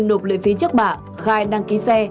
nộp lợi phí chất bạ khai đăng ký xe